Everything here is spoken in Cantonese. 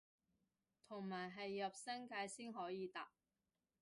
同埋係入新界先可以搭